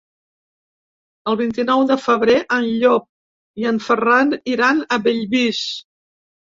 El vint-i-nou de febrer en Llop i en Ferran iran a Bellvís.